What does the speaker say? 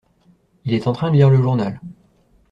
Il est en train de lire le journal.